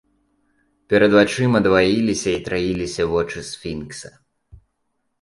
Перад вачыма дваіліся і траіліся вочы сфінкса.